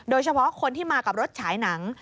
โดยเฉพาะคนที่มากับรถฉายหนัง